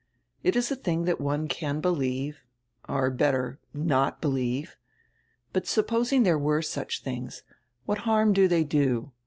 It is a tiling that one can be lieve or, better, not believe. But supposing there were such things, what harm do they do?